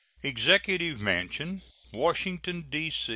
EXECUTIVE MANSION, _Washington, D.